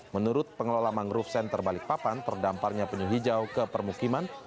menurut pengelola mangrove center balikpapan terdamparnya penyu hijau ke permukiman